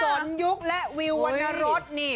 สนยุคและวิววรรณรสนี่